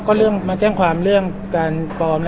ก็เรื่องทางความการปลอม